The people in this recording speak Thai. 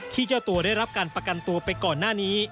เจ้าตัวได้รับการประกันตัวไปก่อนหน้านี้